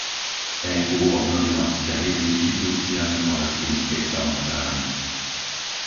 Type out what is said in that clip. EÚ obnovila vzťahy s inštitúciami palestínskej samosprávy.